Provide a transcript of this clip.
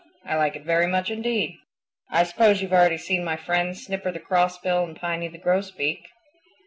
I like it very much indeed. I suppose you've already seen my friends, Snipper the Crossbill and Piny the Grosbeak."